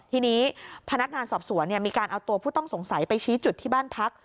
ทีนี้พนักงานสอบสวนมีการเอาตัวผู้ต้องสงสัยไปชี้จุดที่บ้านพัก